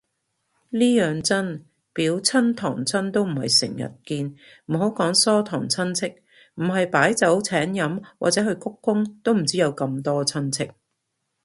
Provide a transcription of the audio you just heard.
呢樣真，表親堂親都唔係成日見，唔好講疏堂親戚，唔係擺酒請飲或者去鞠躬都唔知有咁多親戚